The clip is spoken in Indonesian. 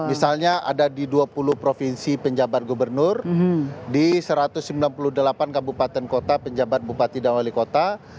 misalnya ada di dua puluh provinsi penjabat gubernur di satu ratus sembilan puluh delapan kabupaten kota penjabat bupati dan wali kota